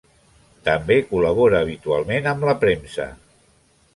També col·labora habitualment amb la premsa.